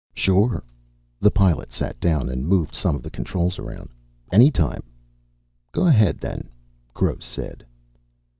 "Sure." The Pilot sat down and moved some of the controls around. "Anytime." "Go ahead, then," Gross said.